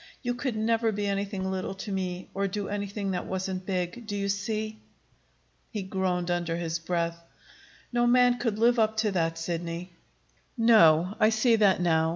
You could never be anything little to me, or do anything that wasn't big. Do you see?" He groaned under his breath. "No man could live up to that, Sidney." "No. I see that now.